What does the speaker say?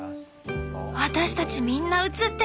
私たちみんな映ってる。